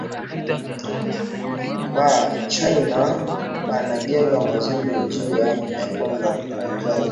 Ba china bana jenga muzuri njia ya kwenda ku kiwanja kya ndege